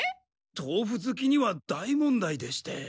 豆腐ずきには大問題でして。